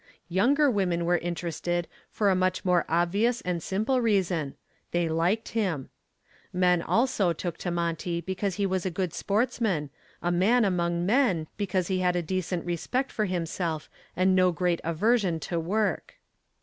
Younger women were interested for a much more obvious and simple reason: they liked him. Men also took to Monty because he was a good sportsman, a man among men, because he had a decent respect for himself and no great aversion to work.